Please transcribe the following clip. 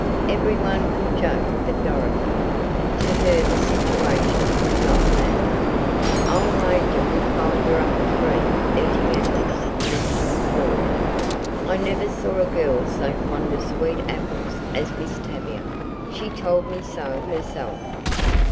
Every one could joke but Dorothy. To her the situation was beyond that. "I'll wager we find her up a tree eating apples," lisped Claud. "I never saw a girl so fond of sweet apples as Miss Tavia. She told me so herself."